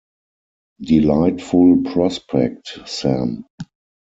Delightful prospect, Sam.